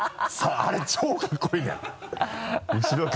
あれ超かっこいいんだよ。